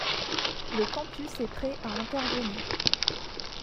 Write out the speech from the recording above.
Le Campus est prêt à intervenir.